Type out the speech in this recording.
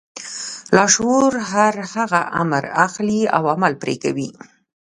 لاشعور هر هغه امر اخلي او عمل پرې کوي.